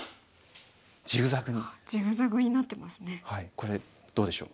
これどうでしょう？